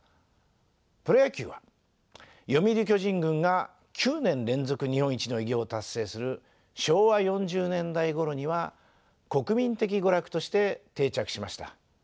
プロ野球は読売巨人軍が９年連続日本一の偉業を達成する昭和４０年代ごろには国民的娯楽として定着しました。